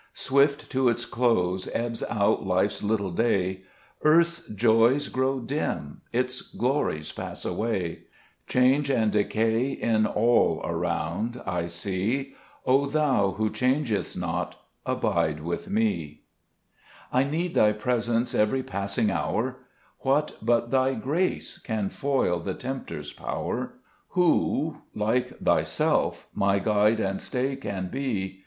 2 Swift to its close ebbs out life's little day ; Earth's joys grow dim, its glories pass away ; Change and decay in all around I see ; O Thou who changest not, abide with me. 17 Zbe asest Gburcb Ibsmns. 3 I need Thy presence every passing hour ; What but Thy grace can foil the temp ter's power? Who like Thyself my guide and stay can be?